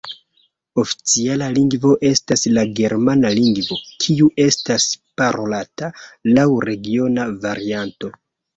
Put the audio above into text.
Oficiala lingvo estas la Germana lingvo, kiu estas parolata laŭ regiona varianto.